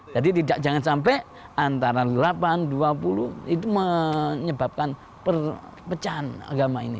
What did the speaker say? jadi jangan sampai antara delapan dua puluh itu menyebabkan pecahan agama ini